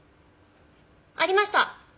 ありました！